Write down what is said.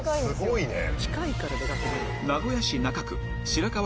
すごいね。